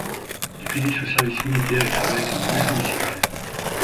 Il finit son service militaire et travaille comme juge municipal.